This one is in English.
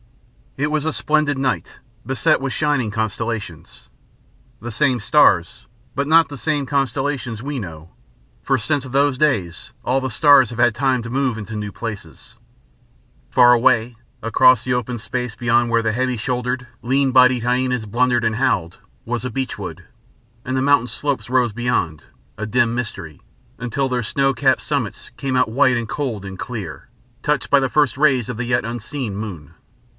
It was a splendid night, beset with shining constellations, the same stars, but not the same constellations we know, for since those days all the stars have had time to move into new places. Far away across the open space beyond where the heavy shouldered, lean bodied hyænas blundered and howled, was a beechwood, and the mountain slopes rose beyond, a dim mystery, until their snow capped summits came out white and cold and clear, touched by the first rays of the yet unseen moon.